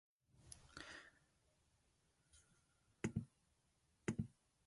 She is treasurer of the Royal Society of Chemistry Carbohydrate Interest Group.